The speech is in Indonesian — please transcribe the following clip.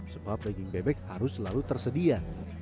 sebab daging bebek harus selalu tersedia